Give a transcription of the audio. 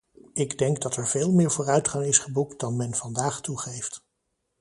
Ik denk dat er veel meer vooruitgang is geboekt dan men vandaag toegeeft.